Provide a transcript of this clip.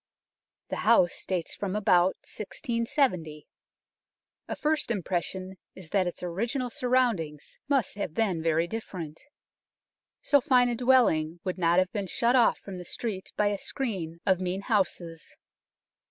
The house dates from about 1670. A first im pression is that its original surroundings must have been very different. So fine a dwelling would not have been shut off from the street by a screen of mean houses.